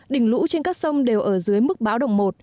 đỉnh lũ trên các sông đều ở dưới mức bão động một